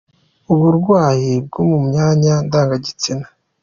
Uburwayi bwo mu myanya ndangagitsina.